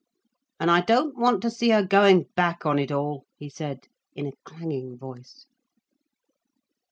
"And I don't want to see her going back on it all," he said, in a clanging voice.